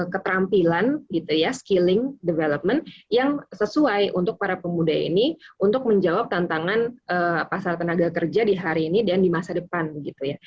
keterampilan gitu ya skilling development yang sesuai untuk para pemuda ini untuk menjawab tantangan pasar tenaga kerja di hari ini dan di masa depan gitu ya